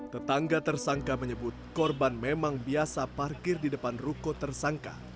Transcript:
tetangga tersangka menyebut korban memang biasa parkir di depan ruko tersangka